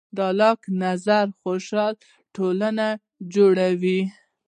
د لاک نظریه خوشحاله ټولنه جوړوي.